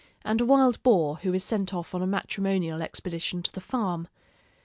and a wild boar who is sent off on a matrimonial expedition to the farm.